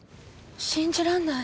信じらんない。